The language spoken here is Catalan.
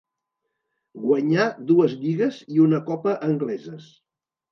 Guanyà dues lligues i una copa angleses.